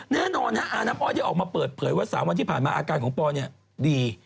แน่นอนอาน้ำอ้อยได้ออกมาเปิดเผยว่า๓วันที่ผ่านมาอาการของปอเนี่ยดี